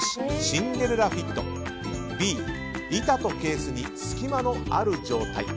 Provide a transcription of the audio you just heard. シンデレラフィットＢ、板とケースに隙間のある状態。